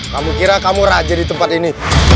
kamu kira kamu raja di tempat ini